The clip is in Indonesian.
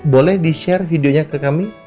boleh di share videonya ke kami